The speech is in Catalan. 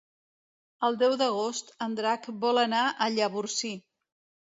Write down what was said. El deu d'agost en Drac vol anar a Llavorsí.